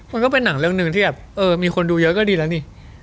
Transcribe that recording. มันก็เป็นหนังเรื่องหนึ่งที่แบบเออมีคนดูเยอะก็ดีแล้วนี่